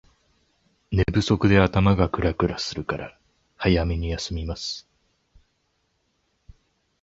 寝不足で頭がクラクラするから早めに休みます